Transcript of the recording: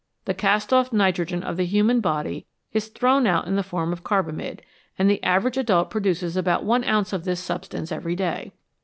The cast off nitrogen of the human body is thrown out in the form of carbamide, and the average adult produces about 1 ounce of this substance every day.